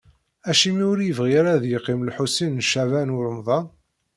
Acimi ur yebɣi ara ad yeqqim Lḥusin n Caɛban u Ṛemḍan?